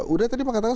udah tadi mengatakan